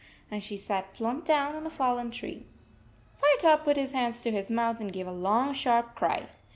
And she sat plump down on a fallen tree. 53 Firetop put his hands to his mouth and gave a long sharp cry.